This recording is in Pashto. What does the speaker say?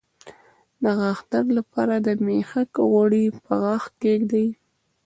د غاښ درد لپاره د میخک غوړي په غاښ کیږدئ